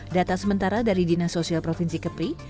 data sementara dari dinas sosial provinsi kepri